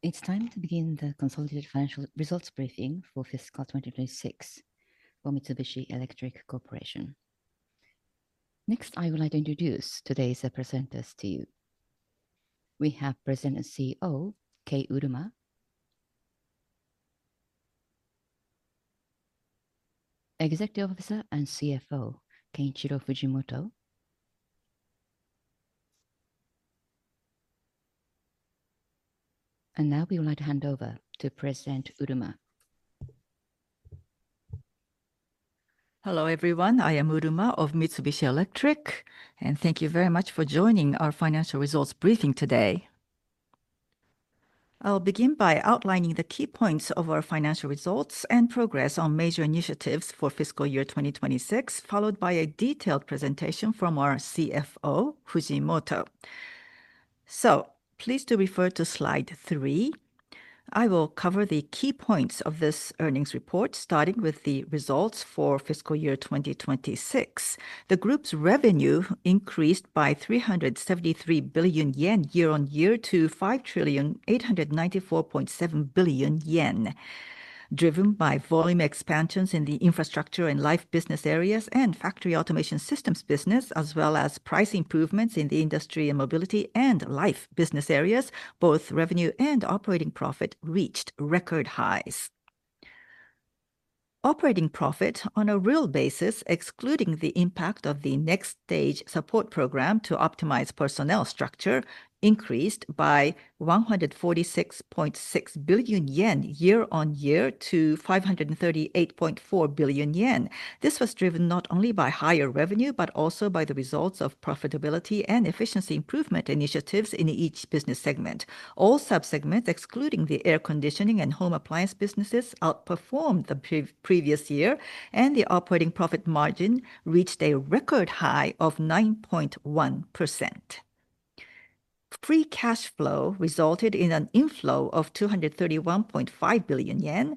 It's time to begin the consolidated financial results briefing for fiscal 2026 for Mitsubishi Electric Corporation. I would like to introduce today's presenters to you. We have President and CEO, Kei Uruma. Executive Officer and CFO, Kenichiro Fujimoto. Now we would like to hand over to President Uruma. Hello, everyone. I am Uruma of Mitsubishi Electric, and thank you very much for joining our financial results briefing today. I'll begin by outlining the key points of our financial results and progress on major initiatives for fiscal year 2026, followed by a detailed presentation from our CFO, Fujimoto. Please do refer to slide three. I will cover the key points of this earnings report, starting with the results for fiscal year 2026. The group's revenue increased by 373 billion yen year-on-year to 5,894.7 billion yen, driven by volume expansions in the Infrastructure and Life business areas, and Factory Automation Systems business, as well as price improvements in the Industry & Mobility and Life business areas. Both revenue and operating profit reached record highs. Operating profit on a real basis, excluding the impact of the Next-Stage Support Program to optimize personnel structure, increased by 146.6 billion yen year-on-year to 538.4 billion yen. This was driven not only by higher revenue, but also by the results of profitability and efficiency improvement initiatives in each business segment. All sub-segments, excluding the air conditioning and home appliance businesses, outperformed the previous year, and the operating profit margin reached a record high of 9.1%. Free cash flow resulted in an inflow of 231.5 billion yen.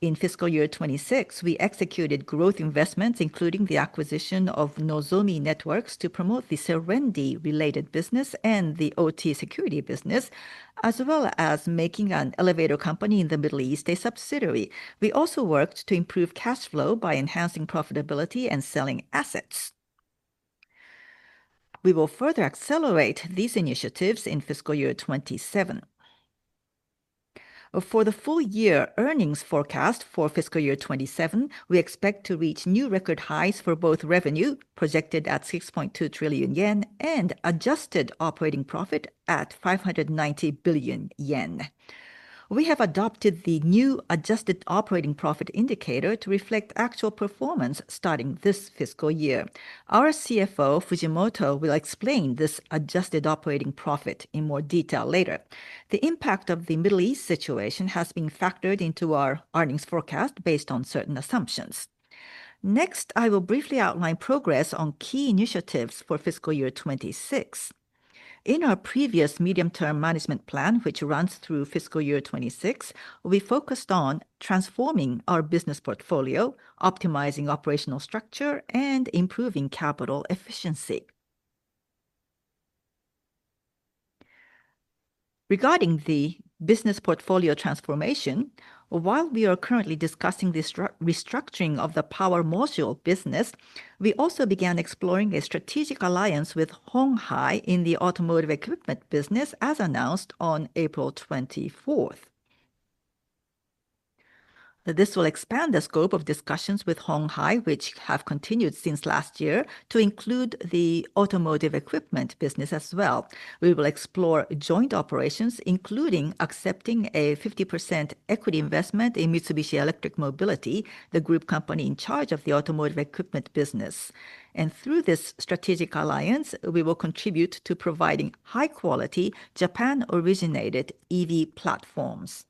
In fiscal year 2026, we executed growth investments, including the acquisition of Nozomi Networks to promote the Serendie-related business and the OT security business, as well as making an elevator company in the Middle East a subsidiary. We also worked to improve cash flow by enhancing profitability and selling assets. We will further accelerate these initiatives in fiscal year 2027. For the full-year earnings forecast for fiscal year 2027, we expect to reach new record highs for both revenue, projected at 6.2 trillion yen, and adjusted operating profit at 590 billion yen. We have adopted the new adjusted operating profit indicator to reflect actual performance starting this fiscal year. Our CFO Fujimoto will explain this adjusted operating profit in more detail later. The impact of the Middle East situation has been factored into our earnings forecast based on certain assumptions. Next, I will briefly outline progress on key initiatives for fiscal year 2026. In our previous medium-term management plan, which runs through fiscal year 2026, we focused on transforming our business portfolio, optimizing operational structure, and improving capital efficiency. Regarding the business portfolio transformation, while we are currently discussing the restructuring of the power module business, we also began exploring a strategic alliance with Hon Hai in the automotive equipment business as announced on April 24th. This will expand the scope of discussions with Hon Hai, which have continued since last year, to include the automotive equipment business as well. We will explore joint operations, including accepting a 50% equity investment in Mitsubishi Electric Mobility, the group company in charge of the automotive equipment business. Through this strategic alliance, we will contribute to providing high-quality, Japan-originated EV platforms.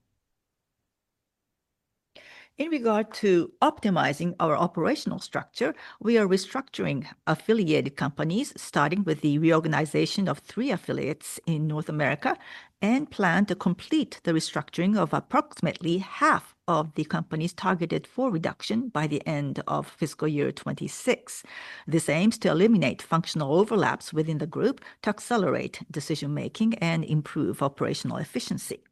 In regard to optimizing our operational structure, we are restructuring affiliated companies, starting with the reorganization of three affiliates in North America, and plan to complete the restructuring of approximately half of the companies targeted for reduction by the end of fiscal year 2026. This aims to eliminate functional overlaps within the group to accelerate decision-making and improve operational efficiency.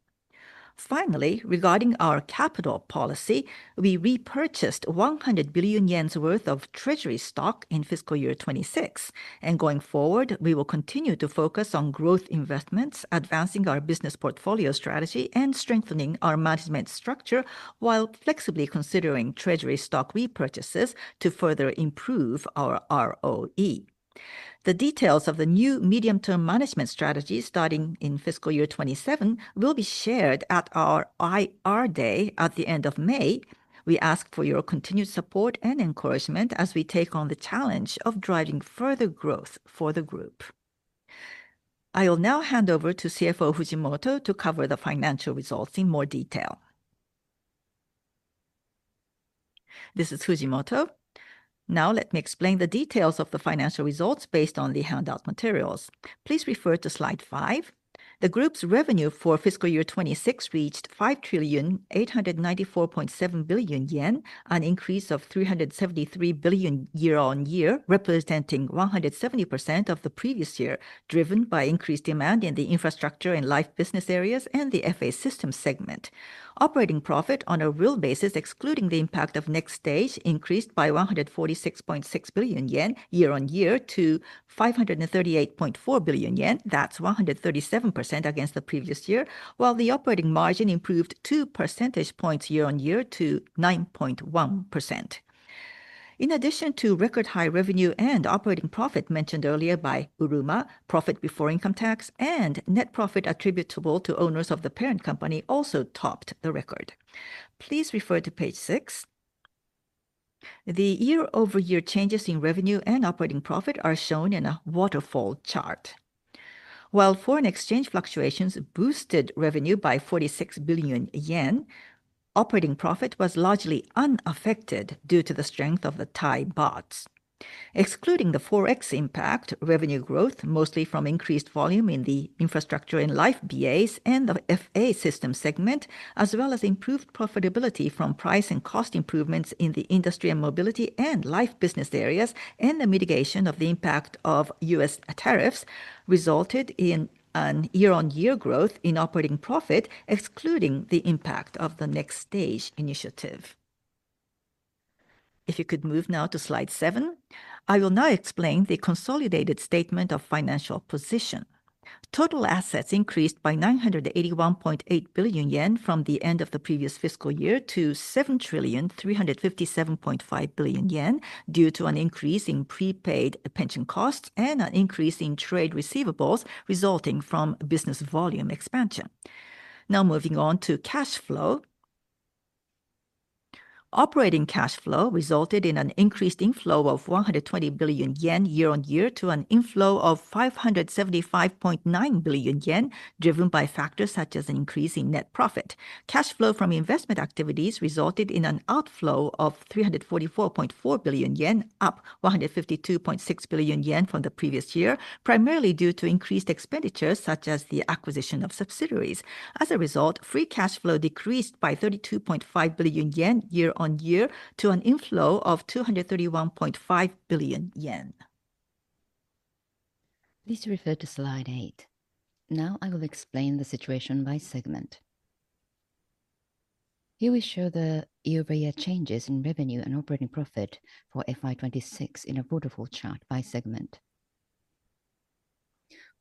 Finally, regarding our capital policy, we repurchased 100 billion yen worth of treasury stock in fiscal year 2026. Going forward, we will continue to focus on growth investments, advancing our business portfolio strategy and strengthening our management structure while flexibly considering treasury stock repurchases to further improve our ROE. The details of the new medium-term management strategy starting in fiscal year 2027 will be shared at our IR Day at the end of May. We ask for your continued support and encouragement as we take on the challenge of driving further growth for the group. I will now hand over to CFO Fujimoto to cover the financial results in more detail. This is Fujimoto. Now let me explain the details of the financial results based on the handout materials. Please refer to slide five. The group's revenue for fiscal year 2026 reached 5,894.7 billion yen, an increase of 373 billion year-on-year, representing 170% of the previous year, driven by increased demand in the Infrastructure and Life business areas and the FA system segment. Operating profit on a real basis, excluding the impact of Next-Stage, increased by 146.6 billion yen year-on-year to 538.4 billion yen. That's 137% against the previous year, while the operating margin improved 2 percentage points year-on-year to 9.1%. In addition to record high revenue and operating profit mentioned earlier by Uruma, profit before income tax and net profit attributable to owners of the parent company also topped the record. Please refer to page six. The year-over-year changes in revenue and operating profit are shown in a waterfall chart. While foreign exchange fluctuations boosted revenue by 46 billion yen, operating profit was largely unaffected due to the strength of the Thai baht. Excluding the forex impact, revenue growth, mostly from increased volume in the Infrastructure and Life BAs and the FA system segment, as well as improved profitability from price and cost improvements in the Industry & Mobility and Life business areas, and the mitigation of the impact of U.S. tariffs, resulted in a year-on-year growth in operating profit, excluding the impact of the Next-Stage Support Program. If you could move now to slide seven. I will now explain the consolidated statement of financial position. Total assets increased by 981.8 billion yen from the end of the previous fiscal year to 7,357,500,000 yen due to an increase in prepaid pension costs and an increase in trade receivables resulting from business volume expansion. Now, moving on to cash flow. Operating cash flow resulted in an increased inflow of 120 billion yen year-on-year to an inflow of 575.9 billion yen, driven by factors such as an increase in net profit. Cash flow from investment activities resulted in an outflow of 344.4 billion yen, up 152.6 billion yen from the previous year, primarily due to increased expenditures such as the acquisition of subsidiaries. As a result, free cash flow decreased by 32.5 billion yen year-on-year to an inflow of 231.5 billion yen. Please refer to slide eight. I will explain the situation by segment. Here we show the year-over-year changes in revenue and operating profit for FY 2026 in a waterfall chart by segment.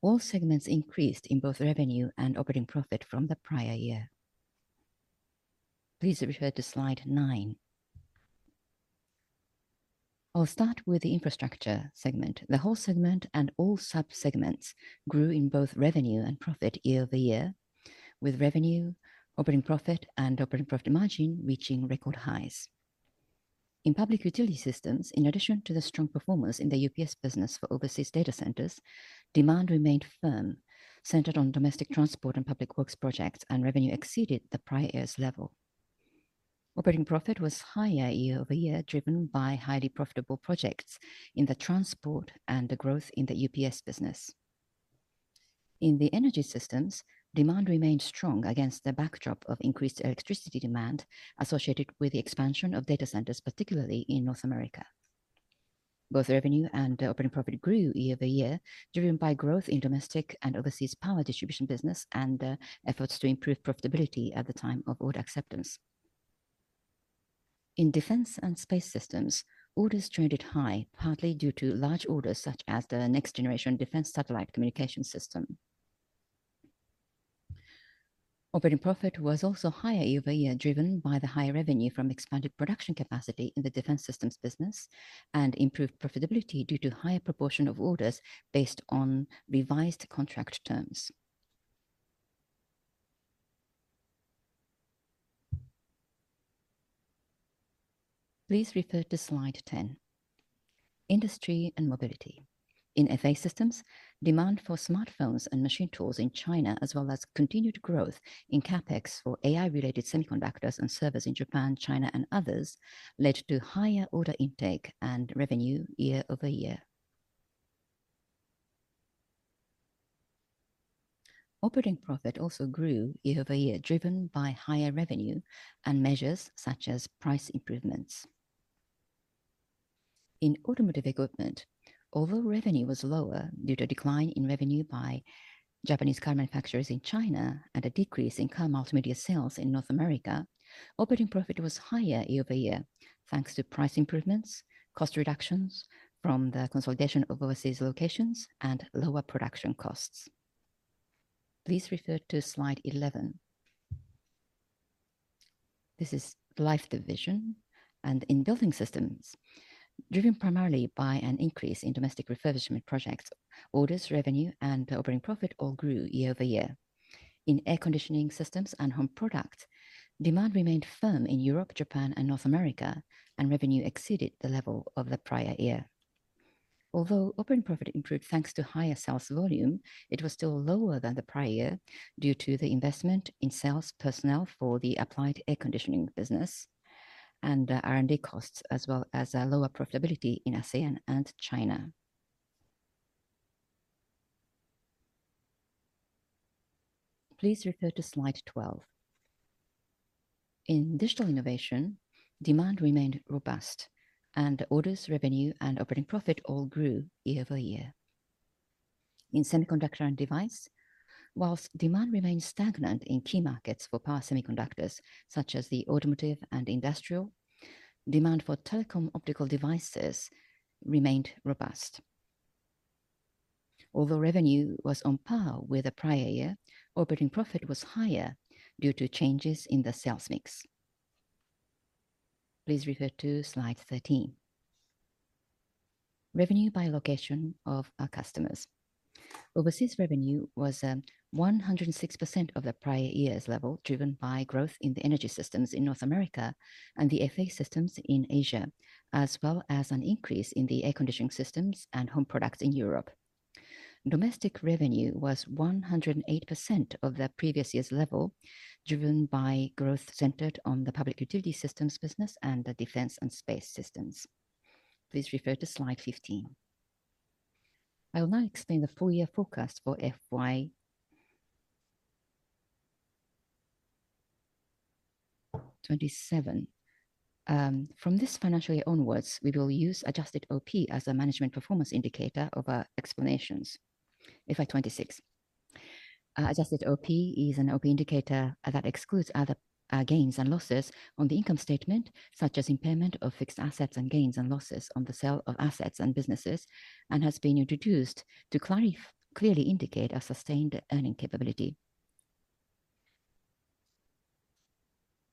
All segments increased in both revenue and operating profit from the prior year. Please refer to slide nine. I'll start with the Infrastructure segment. The whole segment and all sub-segments grew in both revenue and profit year-over-year, with revenue, operating profit, and operating profit margin reaching record highs. In Public Utility Systems, in addition to the strong performance in the UPS business for overseas data centers, demand remained firm, centered on domestic transport and public works projects, and revenue exceeded the prior year's level. Operating profit was higher year-over-year, driven by highly profitable projects in the transport and the growth in the UPS business. In the energy systems, demand remained strong against the backdrop of increased electricity demand associated with the expansion of data centers, particularly in North America. Both revenue and operating profit grew year-over-year, driven by growth in domestic and overseas power distribution business and efforts to improve profitability at the time of order acceptance. In Defense & Space Systems, orders trended high, partly due to large orders such as the Next-Generation Defense Satellite Communication System. Operating profit was also higher year-over-year, driven by the higher revenue from expanded production capacity in the defense systems business and improved profitability due to higher proportion of orders based on revised contract terms. Please refer to slide 10. Industry & Mobility. In FA systems, demand for smartphones and machine tools in China, as well as continued growth in CapEx for AI-related semiconductors and servers in Japan, China, and others, led to higher order intake and revenue year-over-year. Operating profit also grew year-over-year, driven by higher revenue and measures such as price improvements. In automotive equipment, although revenue was lower due to a decline in revenue by Japanese car manufacturers in China and a decrease in car multimedia sales in North America, operating profit was higher year-over-year, thanks to price improvements, cost reductions from the consolidation of overseas locations, and lower production costs. Please refer to slide 11. This is Life division, and in Building Systems, driven primarily by an increase in domestic refurbishment projects, orders, revenue, and operating profit all grew year-over-year. In Air Conditioning Systems & Home Products, demand remained firm in Europe, Japan, and North America, and revenue exceeded the level of the prior year. Operating profit improved thanks to higher sales volume, it was still lower than the prior year due to the investment in sales personnel for the applied air conditioning systems and R&D costs, as well as lower profitability in ASEAN and China. Please refer to slide 12. In Digital Innovation, demand remained robust, and orders, revenue, and operating profit all grew year-over-year. In Semiconductors & Devices, whilst demand remained stagnant in key markets for power semiconductors, such as the automotive and industrial, demand for telecom optical devices remained robust. Revenue was on par with the prior year, operating profit was higher due to changes in the sales mix. Please refer to slide 13. Revenue by location of our customers. Overseas revenue was 106% of the prior year's level, driven by growth in the energy systems in North America and the FA systems in Asia, as well as an increase in the Air Conditioning Systems & Home Products in Europe. Domestic revenue was 108% of the previous year's level, driven by growth centered on the public utility systems business and the Defense & Space Systems. Please refer to slide 15. I will now explain the full-year forecast for FY 2027. From this financial year onwards, we will use adjusted OP as a management performance indicator of our explanations. FY 2026, adjusted OP is an OP indicator that excludes other gains and losses on the income statement, such as impairment of fixed assets and gains and losses on the sale of assets and businesses, and has been introduced to clearly indicate a sustained earning capability.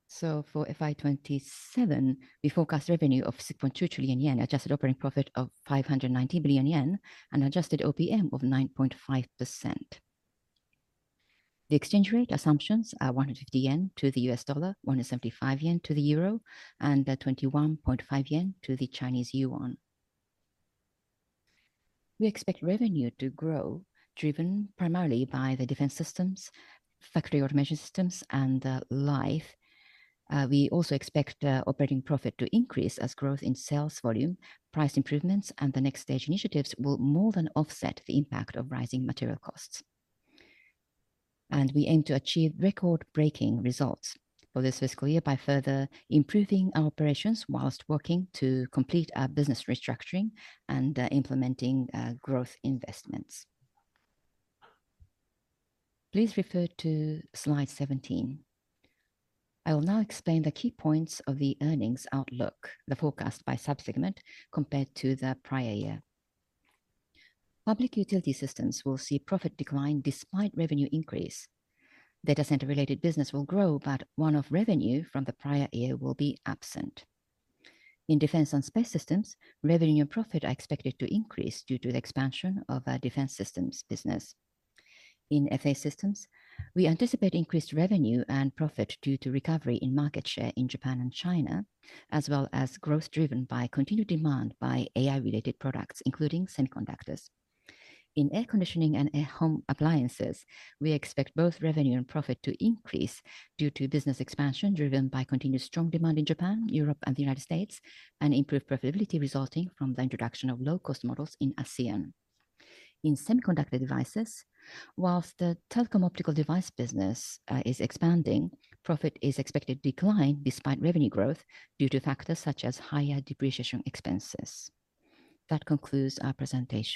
For FY 2027, we forecast revenue of 6.2 trillion yen, Adjusted operating profit of 519 billion yen, and Adjusted OPM of 9.5%. The exchange rate assumptions are 150 yen to the $1 JPY 175 to the 1 EUR and JPY 21.5 to the CNY 1. We expect revenue to grow, driven primarily by the Defense systems, Factory Automation Systems, and Life. We also expect operating profit to increase as growth in sales volume, price improvements, and the Next-Stage initiatives will more than offset the impact of rising material costs. We aim to achieve record-breaking results for this fiscal year by further improving our operations whilst working to complete our business restructuring and implementing growth investments. Please refer to slide 17. I will now explain the key points of the earnings outlook, the forecast by sub-segment compared to the prior year. Public Utility Systems will see profit decline despite revenue increase. Data center-related business will grow, but one-off revenue from the prior year will be absent. In Defense & Space Systems, revenue and profit are expected to increase due to the expansion of our defense systems business. In FA systems, we anticipate increased revenue and profit due to recovery in market share in Japan and China, as well as growth driven by continued demand by AI-related products, including semiconductors. In Air Conditioning and Home Appliances, we expect both revenue and profit to increase due to business expansion driven by continued strong demand in Japan, Europe, and the United States, and improved profitability resulting from the introduction of low-cost models in ASEAN. In Semiconductor Devices, whilst the telecom optical device business is expanding, profit is expected to decline despite revenue growth due to factors such as higher depreciation expenses. That concludes our presentation.